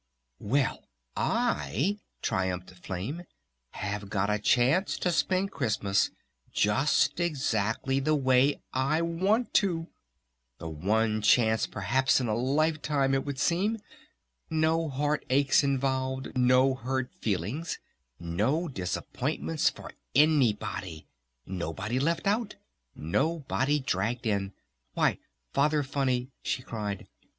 "Well, I," triumphed Flame, "have got a chance to spend Christmas just exactly the way I want to!... The one chance perhaps in a life time, it would seem!... No heart aches involved, no hurt feelings, no disappointments for anybody! Nobody left out! Nobody dragged in! Why Father Funny," she cried.